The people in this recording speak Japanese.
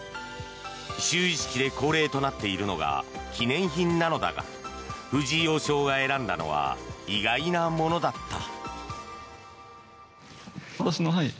就位式で恒例となっているのが記念品なのだが藤井王将が選んだのは意外なものだった。